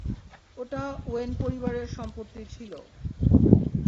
ওটা ওয়েন পরিবারের সম্পত্তি ছিল।